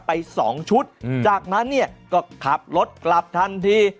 ไปสองชุดจากนั้นเนี่ยก็ขับรถกลับทันที